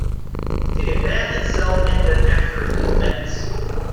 The event itself ended after a few minutes.